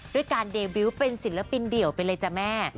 ด้วยการเดบิวต์เป็นศิลปินเดี่ยวไปเลยจ้ะแม่